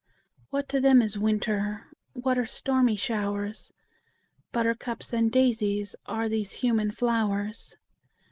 What to them is winter! What are stormy showers! Buttercups and daisies Are these human flowers!